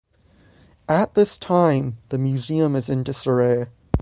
At this time the museum is in disarray.